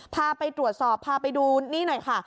พาไปตรวจสอบพาไปดูนี่หน่อยค่ะ